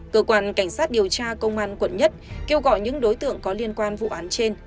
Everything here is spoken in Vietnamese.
cơ quan cảnh sát điều tra công an quận một kêu gọi những đối tượng có liên quan vụ án trên